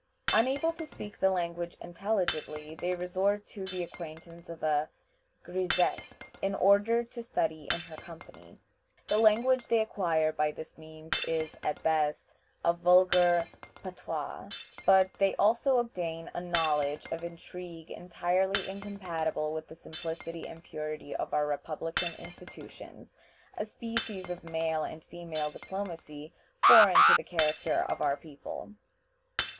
Unable to speak the language intelligibly, they resort to the acquaintance of a grisette, in order to study in her company. The language they acquire by this means is, at best, a vulgar patois; but they also obtain a knowledge of intrigue entirely incompatible with the simplicity and purity of our republican institutions a species of male and female diplomacy foreign to the character of our people.